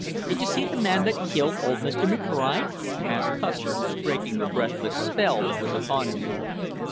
"Did you see the man that killed old Mr. McBride?" asked Custer, breaking the breathless spell that was upon him.